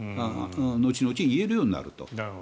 後々言えるようになると。